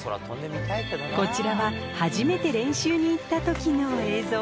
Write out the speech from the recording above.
こちらは初めて練習に行った時の映像